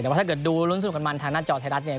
แต่ว่าถ้าเกิดดูลุ้นสนุกกับมันทางหน้าจอไทยรัฐเนี่ย